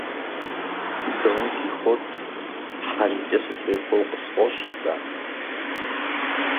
Дон Кихот хьэлкӀэ сытехуэу къысфӀощӀ сэ.